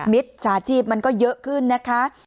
มิตรสาธิตมันก็เยอะขึ้นนะคะ